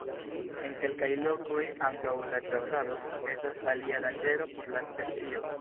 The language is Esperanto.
En kelkaj lokoj ankaŭ la ĉasado estas alia danĝero por la specio.